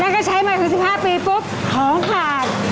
แล้วก็ใช้มาถึง๑๕ปีปุ๊บของขาด